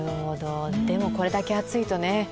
でもこれだけ暑いとね。